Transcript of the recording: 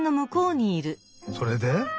それで？